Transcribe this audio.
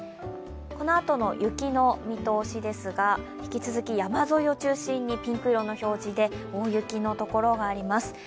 このあとの雪の見通しですが、引き続き山沿いを中心にピンク色の表示で大雪のところがあります。